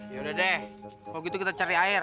yaudah deh kalau gitu kita cari air